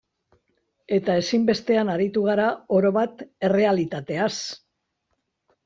Eta ezinbestean aritu gara, orobat, errealitateaz.